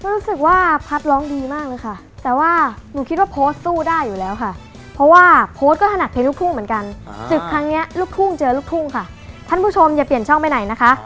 รู้สึกว่าพัทร้องดีมากเลยค่ะ